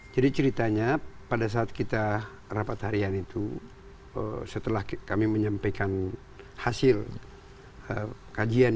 jadi ceritanya pada saat kita rapat harian itu setelah kami menyampaikan hasil kajian